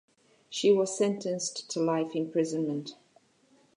She was sentenced to life imprisonment.